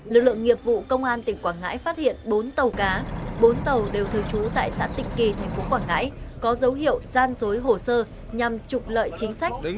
lực lượng nghiệp vụ công an tỉnh quảng ngãi phát hiện bốn tàu cá bốn tàu đều thường trú tại xã tịnh kỳ tp quảng ngãi có dấu hiệu gian dối hồ sơ nhằm trục lợi chính sách